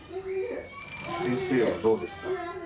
先生はどうですか？